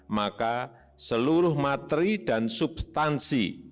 maka seluruh materi dan substansi